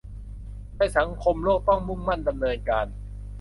ในสังคมโลกต้องมุ่งมั่นดำเนินการ